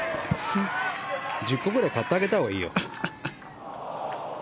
１０個ぐらい買ってあげたほうがいいよ。